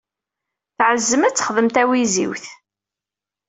Teɛzem ad texdem d tawiziwt.